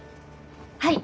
はい。